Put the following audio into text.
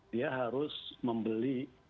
dia harus membeli